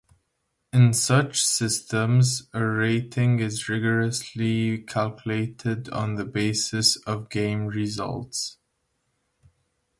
In such systems, a rating is rigorously calculated on the basis of game results.